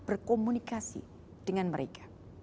berkomunikasi dengan mereka